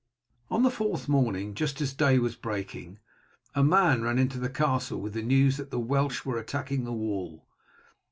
On the fourth morning, just as day was breaking, a man ran into the castle with the news that the Welsh were attacking the wall.